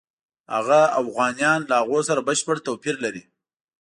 هغه اوغانیان له هغو سره بشپړ توپیر لري.